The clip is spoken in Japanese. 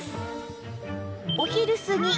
お昼過ぎ